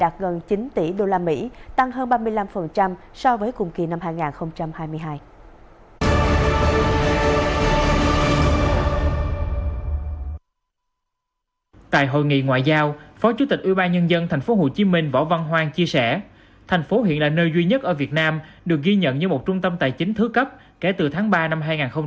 tại hội nghị ngoại giao phó chủ tịch ubnd tp hcm võ văn hoang chia sẻ thành phố hiện là nơi duy nhất ở việt nam được ghi nhận như một trung tâm tài chính thứ cấp kể từ tháng ba năm hai nghìn hai mươi